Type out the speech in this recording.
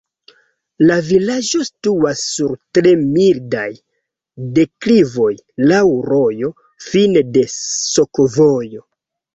La vilaĝo situas sur tre mildaj deklivoj, laŭ rojo, fine de sakovojo.